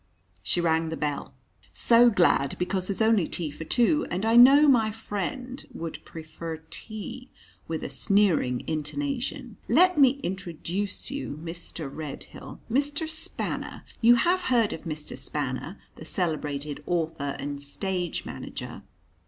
She rang the bell. "So glad because there's only tea for two, and I know my friend would prefer tea," with a sneering intonation. "Let me introduce you Mr. Redhill, Mr. Spanner, you have heard of Mr. Spanner, the celebrated author and stage manager?"